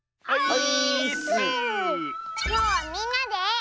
きょうはみんなで。